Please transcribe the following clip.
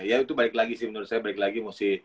ya itu balik lagi sih menurut saya balik lagi